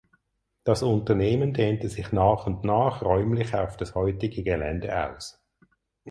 Das Unternehmen dehnte sich nach und nach räumlich auf das heutige Gelände aus.